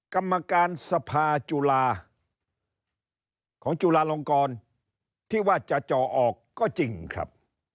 กรรมการสภาจุฬาของจุฬาลงกรที่ว่าจะเจาะออกก็จริงครับ